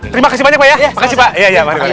terima kasih banyak ya